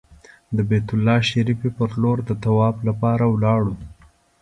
د بیت الله شریفې پر لور د طواف لپاره ولاړو.